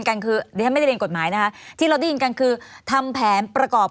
ครับ